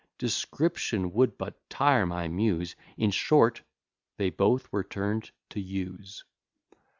Description would but tire my Muse, In short, they both were turn'd to yews.